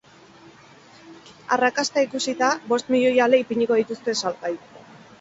Arrakasta ikusita, bost milioi ale ipiniko dituzte salgai.